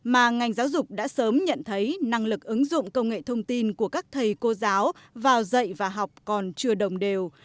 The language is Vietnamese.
mà ngành giáo dục đã sớm nhận thấy năng lực ứng dụng công nghệ thông tin của các thầy cô giáo vào dạy và học còn chưa đồng đều